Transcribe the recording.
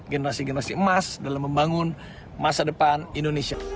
generasi generasi emas dalam membangun masa depan indonesia